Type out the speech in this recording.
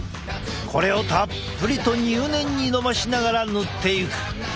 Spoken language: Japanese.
これをたっぷりと入念にのばしながら塗っていく。